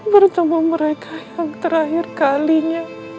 bertemu mereka yang terakhir kalinya